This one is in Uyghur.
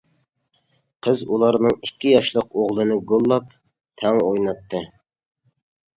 قىز ئۇلارنىڭ ئىككى ياشلىق ئوغلىنى گوللاپ تەڭ ئوينايتتى.